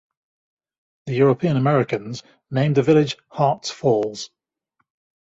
The European Americans named the village Harts Falls.